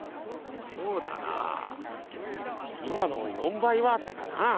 そうだなぁ今の４倍はあったかなぁ。